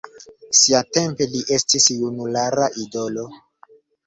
Siatempe li estis junulara idolo.